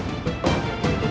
tidak ada apa